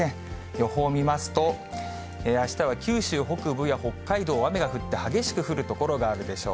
予報見ますと、あしたは九州北部や北海道は雨が降って、激しく降る所があるでしょう。